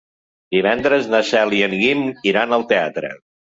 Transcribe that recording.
Divendres na Cel i en Guim iran al teatre.